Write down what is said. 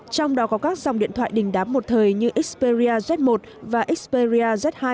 trong đó có các dòng điện thoại đình đám một thời như xperia z một và xperia z hai